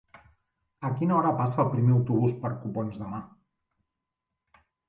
A quina hora passa el primer autobús per Copons demà?